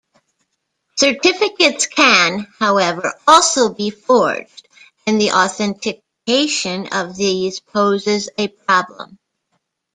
Certificates can, however, also be forged, and the authentication of these poses a problem.